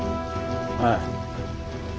ああ。